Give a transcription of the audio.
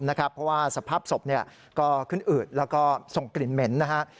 เพราะว่าสภาพศพก็ขึ้นอืดแล้วก็ส่งกลิ่นเหม็นนะฮะ